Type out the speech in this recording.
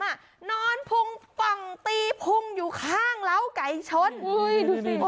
อ่ะนอนพังตีพุงอยู่ข้างเราไก่ชนโอ้โห